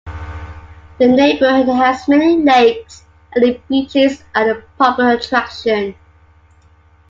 The neighborhood has many lakes and the beaches are a popular attraction.